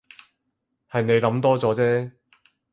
係你諗多咗啫